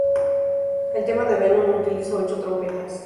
El tema de Venom utiliza ocho trompetas.